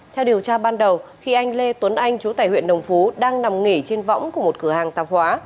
theo điều tra ban đầu khi anh lê tuấn anh chú tại huyện đồng phú đang nằm nghỉ trên võng của một cửa hàng tạp hóa